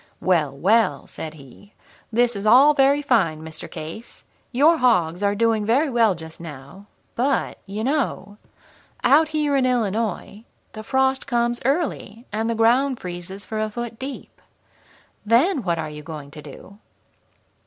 "'Well, well,' said he; 'this is all very fine, Mr. Case. Your hogs are doing very well just now, but, you know, out here in Illinois the frost comes early, and the ground freezes for a foot deep. Then, what are you going to do?'